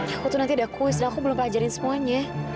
aku tuh nanti ada kuis dan aku belum ngajarin semuanya